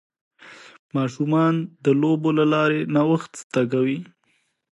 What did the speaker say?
ماشومان د لوبو له لارې نوښت زده کوي.